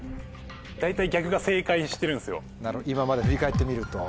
今まで振り返ってみると。